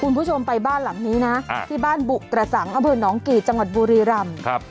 คุณผู้ชมไปบ้านหลังนี้นะที่บ้านบุกระสังอำเภอหนองกี่จังหวัดบุรีรำครับ